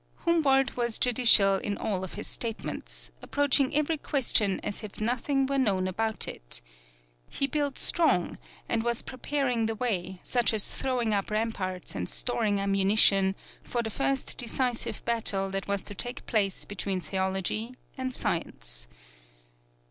Humboldt was judicial in all of his statements, approaching every question as if nothing were known about it. He built strong, and was preparing the way, such as throwing up ramparts and storing ammunition for the first decisive battle that was to take place between Theology and Science.